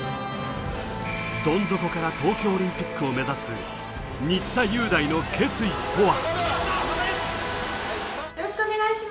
どん底から東京オリンピックを目指す新田祐大の決意とは。